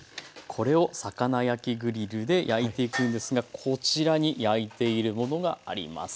これを魚焼きグリルで焼いていくんですがこちらに焼いているものがあります。